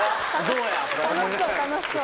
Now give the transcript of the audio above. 楽しそう楽しそう。